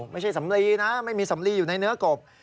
สำลีนะไม่มีสำลีอยู่ในเนื้อกบ